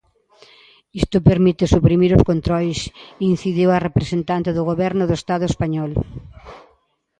Isto permite suprimir os controis, incidiu a representante do Goberno do Estado español.